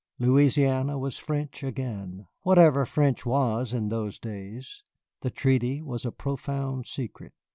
Louisiana was French again, whatever French was in those days. The treaty was a profound secret.